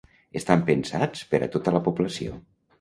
Estan pensats per a tota la població.